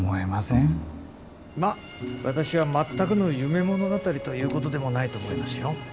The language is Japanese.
まあ私は全くの夢物語ということでもないと思いますよ。